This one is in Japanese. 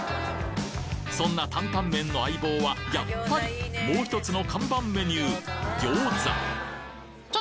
そんなタンタンメンの相棒はやっぱりもう１つの看板メニュー餃子